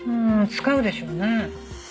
使うでしょうね。